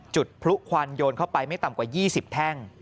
จุดพลุควันโยนเข้าไปไม่ต่ำกว่า๒๐แท่ง